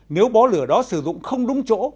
nếu bó lửa đó sử dụng không đúng chỗ